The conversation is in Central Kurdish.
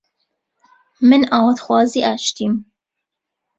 من ئاواتخوازی ئاشتیم